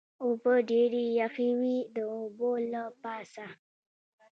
اوبه ډېرې یخې وې، د اوبو له پاسه.